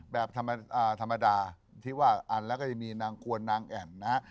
แบบธรรมดาที่ว่าอันแล้วก็ยังมีนางกวนนางแอ่นนะฮะ